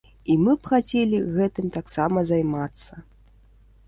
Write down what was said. І мы б хацелі гэтым таксама займацца.